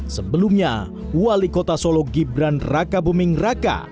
sebelumnya wali kota solo gibran raka buming raka